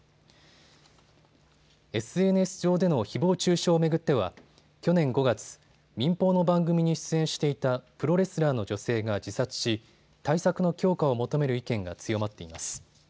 ＳＮＳ上でのひぼう中傷を巡っては去年５月、民放の番組に出演していたプロレスラーの女性が自殺し対策の強化を求める意見が強まっています。